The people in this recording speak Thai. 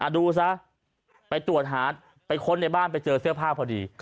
ดูซะไปตรวจหาไปค้นในบ้านไปเจอเสื้อผ้าพอดี